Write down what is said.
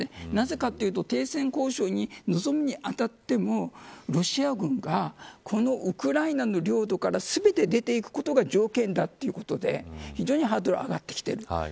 なぜかというと停戦交渉に臨むにあたってもロシア軍がこのウクライナの領土から全て出て行くことが条件だということで非常にハードルが上がってきている。